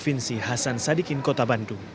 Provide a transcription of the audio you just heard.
provinsi hasan sadikin kota bandung